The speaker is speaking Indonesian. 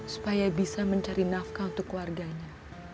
supaya bisa mencari nafkah untuk keluarganya